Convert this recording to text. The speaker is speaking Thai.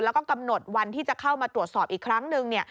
แล้วก็กำหนดวันที่จะเข้ามาตรวจสอบอีกครั้งหนึ่ง